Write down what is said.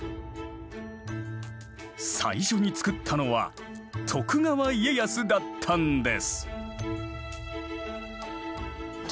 最初に造ったのは徳川家康だったんです。